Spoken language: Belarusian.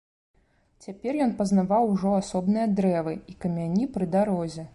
Цяпер ён пазнаваў ужо асобныя дрэвы і камяні пры дарозе.